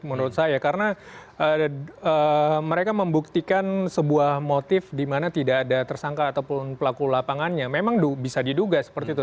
menurut saya karena mereka membuktikan sebuah motif di mana tidak ada tersangka ataupun pelaku lapangannya memang bisa diduga seperti itu